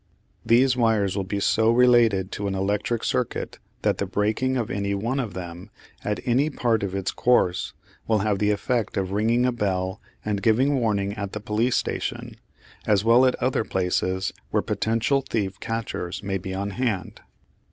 These wires will be so related to an electric circuit that the breaking of any one of them, at any part of its course, will have the effect of ringing a bell and giving warning at the police station, as well as at other places where potential thief catchers may be on hand.